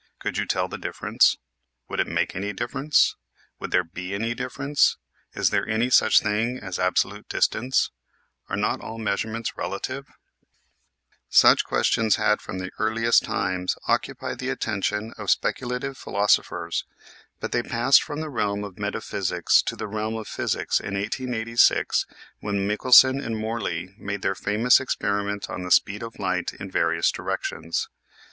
Could you tell the difference? Would it make any difference? Would there be any difference? Is there any such thing as absolute distance ? Are not all measurements relative ? Such questions had from the earliest times occu pied the attention of speculative philosophers, but they THE MICHELSON MORLEY EXPERIMENT 21 passed from the realm of metaphysics to the realm of physics in 1886 when Michelson and Morley made their famous experiment on the speed of light in vari ous directions.